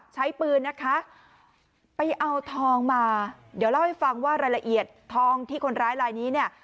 ใช้ปืนนะคะไปเอาทองมาเดี๋ยวเล่าให้ฟังว่ารายละเอียดทองที่คนร้ายลายนี้เนี่ย